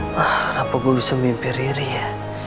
kenapa gue bisa mimpi riri ya